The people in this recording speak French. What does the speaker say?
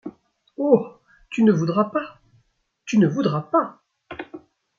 Oh ! tu ne voudras pas ! tu ne voudras pas !